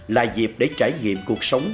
là dịp để trải nghiệm cuộc sống